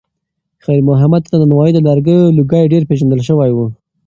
خیر محمد ته د نانوایۍ د لرګیو لوګی ډېر پیژندل شوی و.